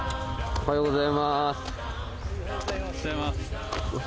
おはようございます。